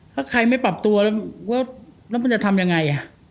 ถ้าใครไม่ปรับตัวแล้วมันจะทำยังไง